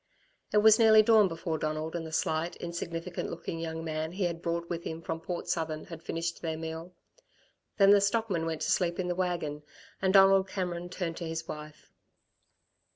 It was nearly dawn before Donald and the slight, insignificant looking young man he had brought with him from Port Southern had finished their meal. Then the stockman went to sleep in the wagon, and Donald Cameron turned to his wife.